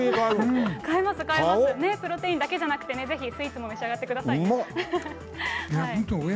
買えます買えます、プロテインだけじゃなくてね、ぜひスイーツも召し上がってくださいね。